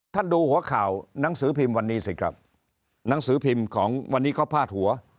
ดูหัวข่าวหนังสือพิมพ์วันนี้สิครับหนังสือพิมพ์ของวันนี้เขาพาดหัว